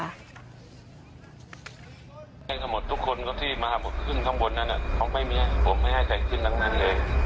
ทุกคนที่มาขึ้นข้างบนนั้นอ่ะเขาไม่มีให้ผมไม่ให้ใครขึ้นทั้งนั้นเลย